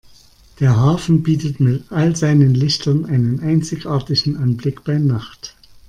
Der Hafen bietet mit all seinen Lichtern einen einzigartigen Anblick bei Nacht.